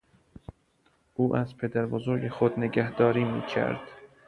او از پدر بزرگ خود نگهداری میکرد.